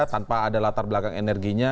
tanpa ada latar belakang energinya